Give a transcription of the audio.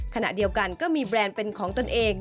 ขณะเดียวกันก็มีแบรนด์เป็นของตนเอง